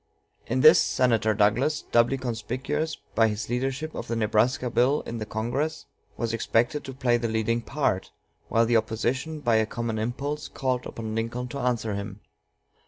In this Senator Douglas, doubly conspicuous by his championship of the Nebraska Bill in Congress, was expected to play the leading part, while the opposition, by a common impulse, called upon Lincoln to answer him.